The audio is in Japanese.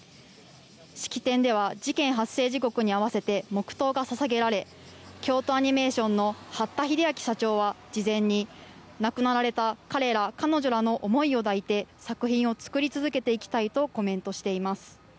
式典では事件発生時刻に合わせて黙祷が捧げられ京都アニメーションの八田英明社長は事前に亡くなられた彼ら彼女らの思いを抱いて作品を作り続けていきたいとコメントしています。